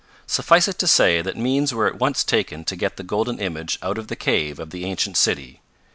Suffice it to say that means were at once taken to get the golden image out of the cave of the ancient city.